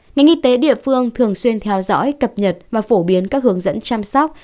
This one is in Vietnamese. ngành y tế địa phương thường xuyên theo dõi cập nhật và phổ biến các hướng dẫn chăm sóc